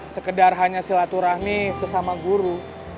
sekedar hanya silaturahmi sesama guru